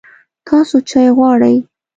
تاسو چای غواړئ؟